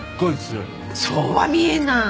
そうは見えない。